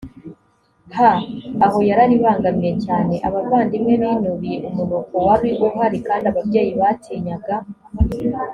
ha aho yararibangamiye cyane abavandimwe binubiye umunuko wari uhari kandi ababyeyi batinyaga